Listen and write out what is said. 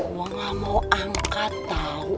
mau gak mau angkat tau